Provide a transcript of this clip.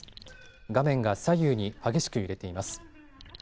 画面が左右に激しく揺れています。